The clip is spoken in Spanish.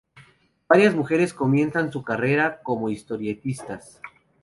Varias mujeres comienzan su carrera como historietistas.